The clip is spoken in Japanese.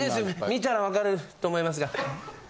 見たら分かると思いますが。